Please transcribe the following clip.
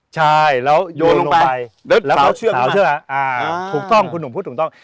ใช่แล้วยนลงไปแล้วสาวเชื่อถูกต้องคุณหนุ่มพูดถูกต้อง